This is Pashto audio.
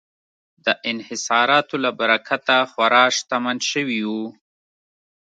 د انحصاراتو له برکته خورا شتمن شوي وو.